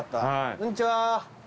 こんにちは。